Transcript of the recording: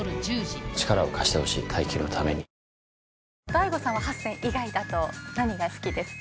ＤＡＩＧＯさんは８選以外だと何が好きですか？